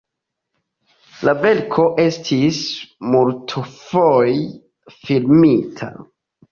La verko estis multfoje filmita.